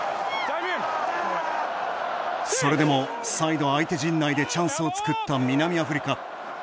それでも再度、相手陣内でチャンスを作った南アフリカ。